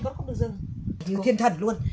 còn không được dừng